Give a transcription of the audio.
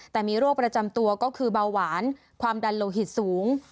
แต่มีโรคประจำตัวก็คือเบาหวานความดันโลหิตสูง